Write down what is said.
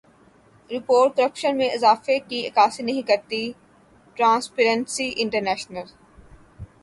report corruption میں اضافے کی عکاسی نہیں کرتی ٹرانسپیرنسی انٹرنیشنل